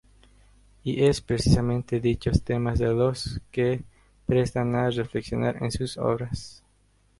Y es precisamente dichos temas los que se prestan a reflexionar en sus obras.